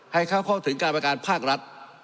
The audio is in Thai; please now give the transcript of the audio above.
ให้เข้าถึงการประกันภาครัฐ